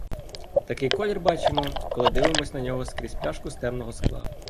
Такий колір бачимо, коли дивимося на нього крізь пляшку з темного скла.